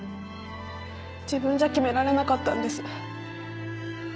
自分じゃ決められなかったんです。